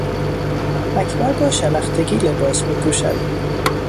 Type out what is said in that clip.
اکبر با شلختگی لباس میپوشد.